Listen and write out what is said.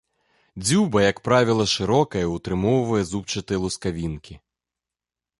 Дзюба, як правіла, шырокая і ўтрымоўвае зубчастыя лускавінкі.